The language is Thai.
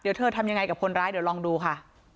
เดี๋ยวเธอทำยังไงกับคนร้ายเดี๋ยวลองดูค่ะ